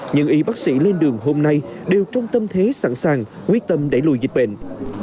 những y bác sĩ lên đường hôm nay đều trong tâm thế sẵn sàng quyết tâm đẩy lùi dịch bệnh